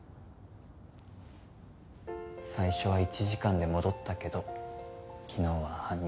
最初は１時間で戻ったけど昨日は半日。